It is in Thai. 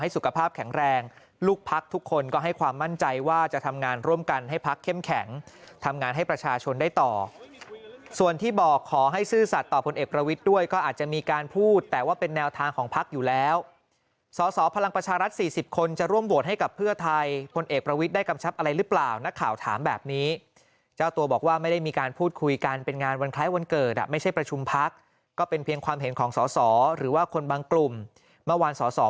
สุขภาพแข็งแรงลูกพักทุกคนก็ให้ความมั่นใจว่าจะทำงานร่วมกันให้พักเข้มแข็งทำงานให้ประชาชนได้ต่อส่วนที่บอกขอให้ซื่อสัตย์ต่อคนเอกประวิทย์ด้วยก็อาจจะมีการพูดแต่ว่าเป็นแนวทางของพักอยู่แล้วสอสอพลังประชารัฐ๔๐คนจะร่วมโหวตให้กับเพื่อไทยคนเอกประวิทย์ได้กำชับอะไรหรือเปล่านักข่าว